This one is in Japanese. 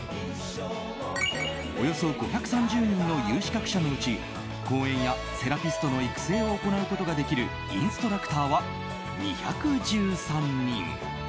およそ５３０人の有資格者のうち講演やセラピストの育成を行うことができるインストラクターは２１３人。